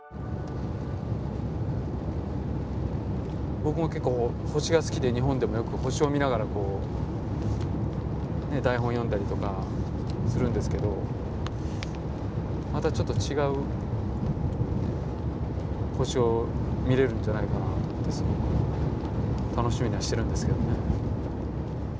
僕も結構星が好きで日本でもよく星を見ながら台本読んだりとかするんですけどまたちょっと違う星を見れるんじゃないかなと思ってすごく楽しみにはしてるんですけどね。